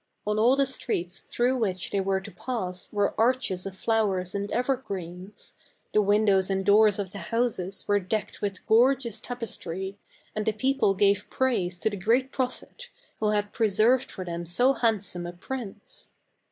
On all the streets through which they were to pass were arches of flowers and evergreens ; the windows and doors of the houses were decked with gorgeous tapes try, and the people gave praise to the great Prophet, who had preserved for them so hand some a prince.